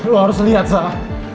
lo harus lihat asah